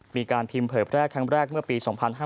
มีการพิมพ์เผยแพร่ครั้งแรกเมื่อปี๒๕๕๙